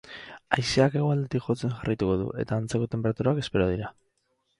Haizeak hegoaldetik jotzen jarraituko du, eta antzeko tenperaturak espero dira.